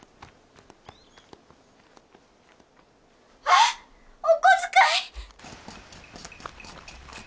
あっ！お小遣い！